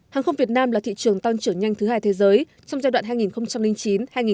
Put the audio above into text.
hàng không việt nam là thị trường tăng trưởng nhanh thứ hai thế giới trong giai đoạn hai nghìn chín